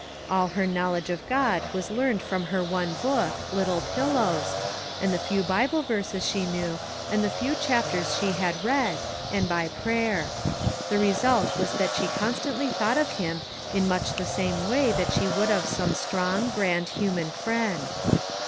All her knowledge of God was learned from her one book, " Little Pillows," and the few Bible verses she knew, and the few chapters she had read, and by prayer. The result was that she constantly thought of him in much the J 73 MAG AND MARGARET same way that she would of some strong, grand human friend.